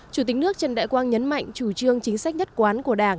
chủ tịch nước trần đại quang nhấn mạnh chủ trương chính sách nhất quán của đảng